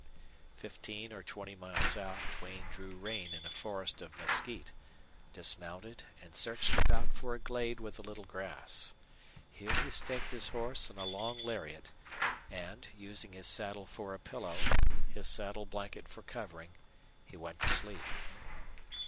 Fifteen or twenty miles out Duane drew rein in a forest of mesquite, dismounted, and searched about for a glade with a little grass. Here he staked his horse on a long lariat; and, using his saddle for a pillow, his saddle blanket for covering, he went to sleep.